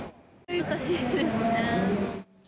難しいですね。